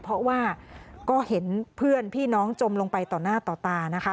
เพราะว่าก็เห็นเพื่อนพี่น้องจมลงไปต่อหน้าต่อตานะคะ